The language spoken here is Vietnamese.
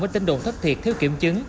với tình độ thấp thiệt thiếu kiểm chứng